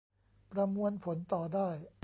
ประมวลผลต่อได้